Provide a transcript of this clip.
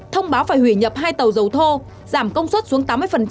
thông báo phải hủy nhập hai tàu dầu thô giảm công suất xuống tám mươi